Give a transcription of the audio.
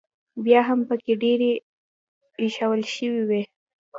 بیا هم پکې ډېرې ایښوول شوې وې.